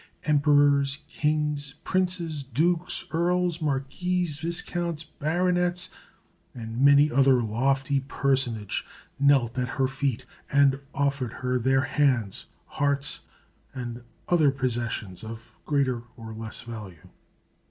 Emperors, kings, princes, dukes, earls, marquises, viscounts, baronets, and many other lofty personages knelt at her feet, and offered her their hands, hearts, and other possessions of greater or less value.